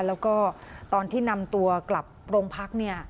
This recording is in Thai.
แล้วก็ตอนที่นำตัวกลับโรงพักเนี่ย